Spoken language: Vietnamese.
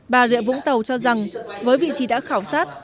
bà rịa vũng tàu cho rằng với vị trí đã khảo sát